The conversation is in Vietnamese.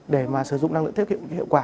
để mà sử dụng năng lượng tiết kiệm hiệu quả